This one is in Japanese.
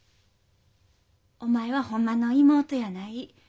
「お前はほんまの妹やない。